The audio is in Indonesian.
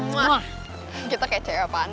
kita kece apaan